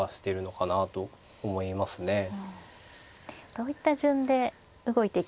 どういった順で動いていくかですね。